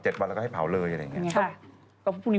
นิ่งปัญญี่ตาลจะไป